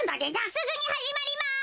すぐにはじまります。